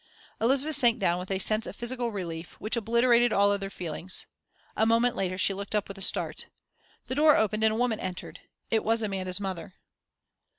Elizabeth sank down with a sense of physical relief, which obliterated all other feelings. A moment later she looked up with a start. The door opened and a woman entered. It was Amanda's mother.